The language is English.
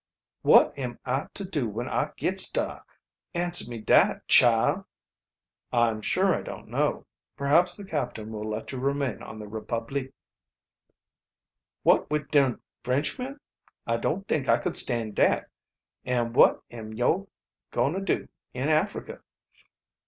"'Wot am I to do when I gits dar? answer me dat, chile." "I'm sure I don't know. Perhaps the captain will let you remain on the Republique." "What wid dern Frenchmen? I don't t'ink I could stand dat. An' what am yo' going to do in Africa?"